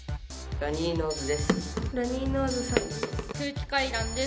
ラニーノーズです。